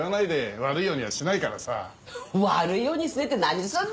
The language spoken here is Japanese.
悪いようにしねえって何すんの！